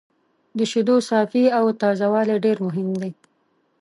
د شیدو صافي او تازه والی ډېر مهم دی.